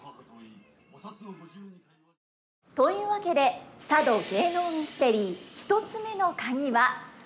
というわけで佐渡芸能ミステリー１つ目のカギは流刑地です。